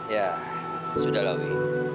ya sudah lah wi